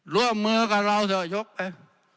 ร่วมมือกับเราเถอะยกไป